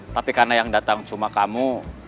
tapi karena yang datang cuma kamu